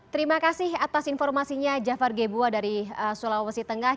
terima kasih atas informasinya jafar gebua dari sulawesi tengah